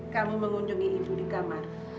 kamu mengunjungi ibu di kamar